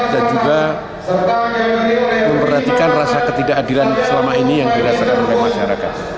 dan juga memperhatikan rasa ketidakadilan selama ini yang dirasakan oleh masyarakat